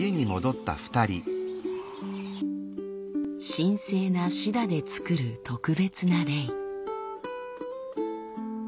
神聖なシダで作る特別なレイ。